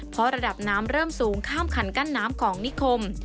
เพราะระดับน้ำเริ่มสูงข้ามคันกั้นน้ำของนิคม